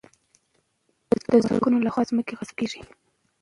د زورواکانو له خوا ځمکې غصب کېږي.